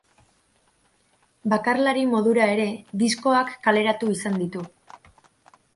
Bakarlari modura ere diskoak kaleratu izan ditu.